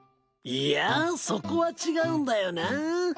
いやそこは違うんだよな。